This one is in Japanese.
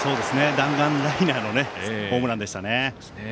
弾丸ライナーのホームランでしたね。